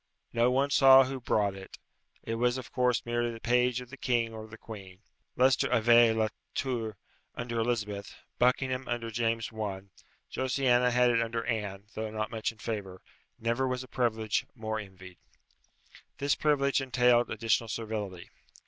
No one saw who brought it. It was of course merely the page of the king or the queen. Leicester avait le tour under Elizabeth; Buckingham under James I. Josiana had it under Anne, though not much in favour. Never was a privilege more envied. This privilege entailed additional servility.